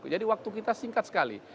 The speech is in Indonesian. jadi waktu kita singkat sekali